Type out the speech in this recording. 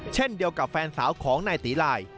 เช่นเดียวกับแฟนสาวของนายตีลาย